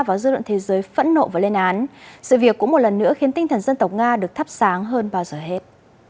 và dư luận thế giới phẫn nộ và lên án sự việc cũng một lần nữa khiến tinh thần dân tộc nga được thắp sáng hơn bao giờ hết